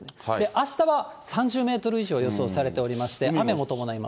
あしたは３０メートル以上予想されておりまして、雨も伴います。